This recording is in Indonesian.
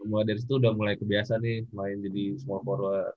mulai dari situ udah mulai kebiasa nih main jadi small forward